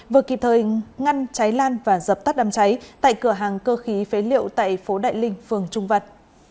vừa kịp thời ngăn cháy lan và dập tắt đám cháy tại cửa hàng cơ khí phế liệu tại phố đại linh phường trung vật